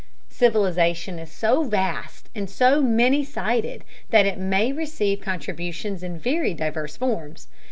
Civilization is so vast and so many sided that it may receive contributions in very diverse forms.